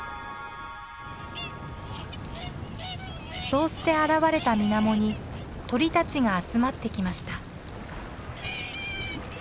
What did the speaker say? そうして現れた水面に鳥たちが集まってきました。